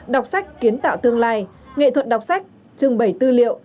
đọc sách kiến tạo tương lai nghệ thuật đọc sách trưng bày tư liệu